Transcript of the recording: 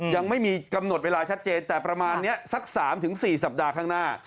ยังไม่มีกำหนดเวลาชัดเจนแต่ประมาณนี้สัก๓๔สัปดาห์ข้างหน้า